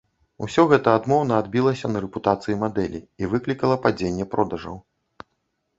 Усё гэта адмоўна адбілася на рэпутацыі мадэлі і выклікала падзенне продажаў.